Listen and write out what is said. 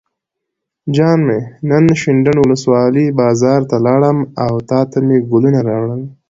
جان مې نن شینډنډ ولسوالۍ بازار ته لاړم او تاته مې ګلونه راوړل.